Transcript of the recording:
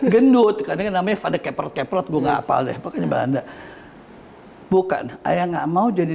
gendut karena namanya pada keperkeprot gua ngapal deh pakai bandar hai bukan ayah nggak mau jadi